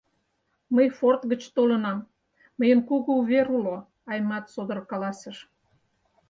— Мый форт гыч толынам, мыйын кугу увер уло, — Аймат содор каласыш.